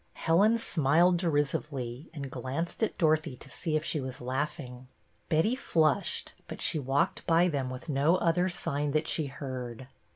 Helen smiled derisively and glanced at Dorothy to see if she was laughing. Betty flushed, but walked by them with no other sign that she heard.